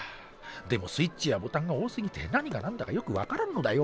でもスイッチやボタンが多すぎて何が何だかよく分からんのだよ。